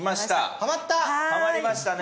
はまりましたね